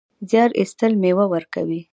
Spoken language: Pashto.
زیار ایستل مېوه ورکوي